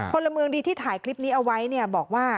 คนละเมืองที่ถ่ายคลิปนี้เอาไว้บอกว่า